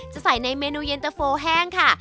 จะใส่ในเมนูเย็นตะโฟแห้งค่ะ